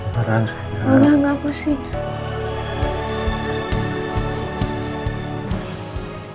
bapak aam saya sudah